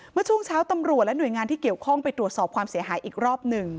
เมื่อช่วงเช้าตำรวจและหน่วยงานที่เกี่ยวข้องไปตรวจสอบความเสียหายอีกรอบหนึ่ง